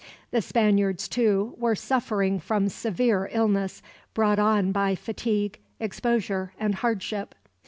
The Spaniards, too, were suffering from severe illness brought on by fatigue, exposure, and hardship.